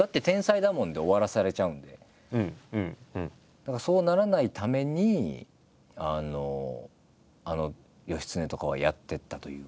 だからそうならないためにあの義経とかをやってったというか。